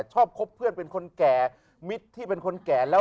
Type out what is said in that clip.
คบเพื่อนเป็นคนแก่มิตรที่เป็นคนแก่แล้ว